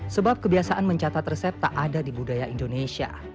sebab kebiasaan mencatat resep tak ada di budaya indonesia